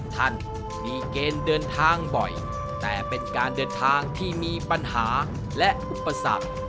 ท่านมีเกณฑ์เดินทางบ่อยแต่เป็นการเดินทางที่มีปัญหาและอุปสรรค